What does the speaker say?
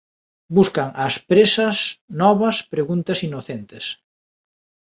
Busca ás presas novas preguntas inocentes.